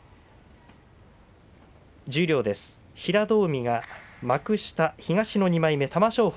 十両は平戸海が幕下東の２枚目玉正